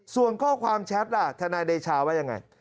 ส่วนข้อความแชทล่ะทนายเดชาว่ายังไง